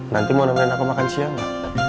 nanti mau nemenin aku makan siang gak